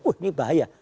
uh ini bahaya